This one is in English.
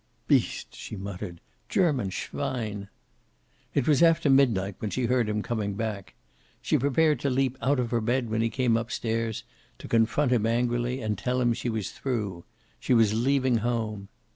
"Beast!" she muttered. "German schwein." It was after midnight when she heard him coming back. She prepared to leap out of her bed when he came up stairs, to confront him angrily and tell him she was through. She was leaving home.